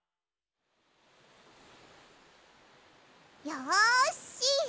よし！